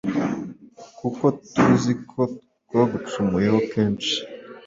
kuko tuzi ko twagucumuyeho kenshi